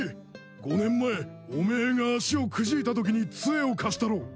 ５年前おめえが足をくじいたときにつえを貸したろ。